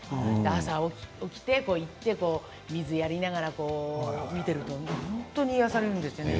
朝起きて、水をやりながら見ていると本当に癒やされるんですよね。